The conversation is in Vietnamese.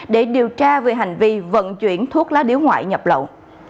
để điều tra về hành vi vận chuyển thuốc lá điếu ngoại nhập lậu